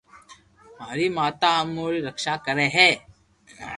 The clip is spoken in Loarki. ماري ماتا اموري رڪݾہ ڪري ھي